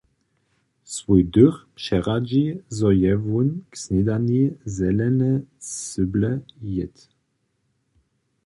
Swój dych přeradźi, zo je wón k snědani zelene cyble jědł.